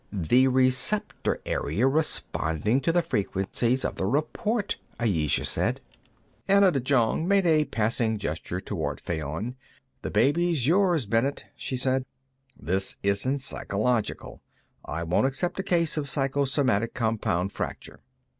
"The receptor area responding to the frequencies of the report," Ayesha said. Anna de Jong made a passing gesture toward Fayon. "The baby's yours, Bennet," she said. "This isn't psychological. I won't accept a case of psychosomatic compound fracture."